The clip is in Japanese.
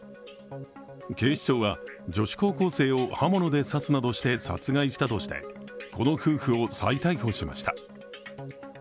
警視庁は女子高校生を刃物で刺すなどして殺害したとしてこの夫婦を再逮捕しました。